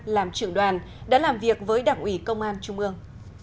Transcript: làm trưởng đoàn đã làm việc với đảng ủy công an trung ương